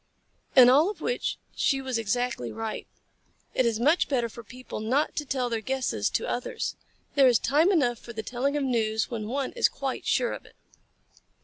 In all of which she was exactly right. It is much better for people not to tell their guesses to others. There is time enough for the telling of news when one is quite sure of it.